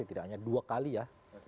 tidak hanya dua kali ya